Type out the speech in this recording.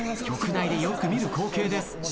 局内でよく見る光景です。